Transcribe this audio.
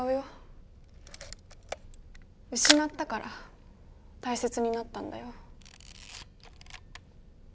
失ったから大切になったんだよ。